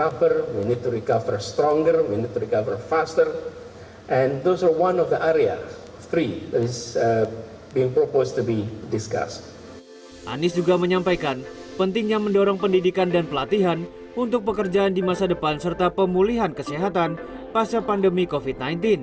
anies juga menyampaikan pentingnya mendorong pendidikan dan pelatihan untuk pekerjaan di masa depan serta pemulihan kesehatan pasca pandemi covid sembilan belas